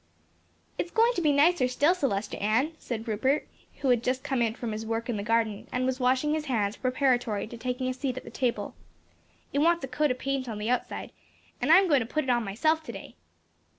"It's going to be nicer still, Celestia Ann," said Rupert who had just come in from his work in the garden, and was washing his hands preparatory to taking a seat at the table, "it wants a coat of paint on the outside and I'm going to put it on myself, to day."